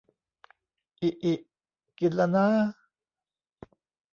อิอิ กินละน้า